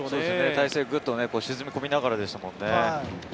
体勢グッと沈み込みながらでしたもんね。